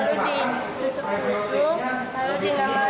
calon perempuan berusia berusia menjadi did troandan